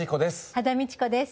羽田美智子です。